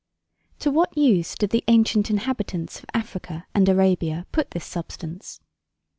To what use did the ancient inhabitants of Africa and Arabia put this substance?